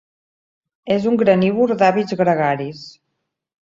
És un granívor d'hàbits gregaris.